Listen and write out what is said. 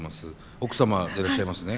奥様でいらっしゃいますね。